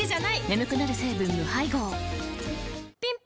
眠くなる成分無配合ぴん